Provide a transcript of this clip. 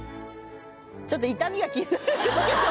ちょっと傷みは気になるんですけど。